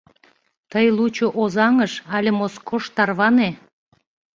— Тый лучо Озаҥыш але Москош тарване.